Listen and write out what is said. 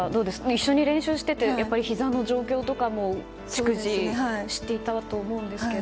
一緒に練習していてひざの状況とかも逐次知っていたと思うんですけど。